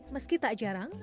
meski tak jarang